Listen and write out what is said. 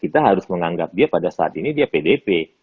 kita harus menganggap dia pada saat ini dia pdp